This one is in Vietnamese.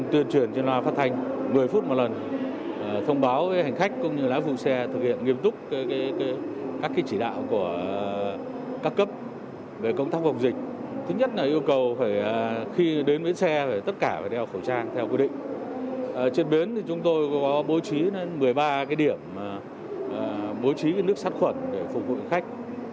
trên bến chúng tôi có bố trí một mươi ba điểm bố trí nước sát khuẩn để phục vụ khách